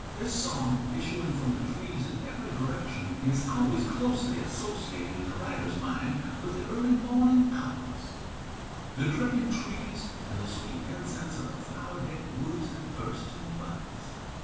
This song, issuing from the trees in every direction, is always closely associated in the writer's mind with the early morning hours, the dripping trees and the sweet incense of the flower decked woods and bursting buds.